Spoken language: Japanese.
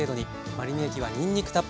マリネ液はにんにくたっぷり。